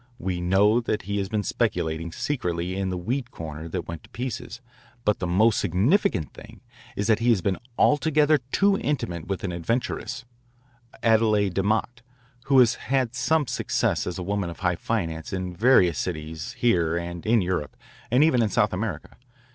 We know that he has been speculating secretly in the wheat corner that went to pieces, but the most significant thing is that he has been altogether too intimate with an adventuress, Adele DeMott, who has had some success as a woman of high finance in various cities here and in Europe and even in South America.